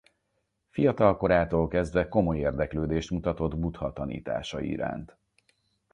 Fiatal korától kezdve komoly érdeklődést mutatott Buddha tanításai iránt.